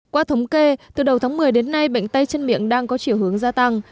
qua thống kê từ đầu tháng một mươi đến nay bệnh tay chân miệng đang có chiều hướng gia tăng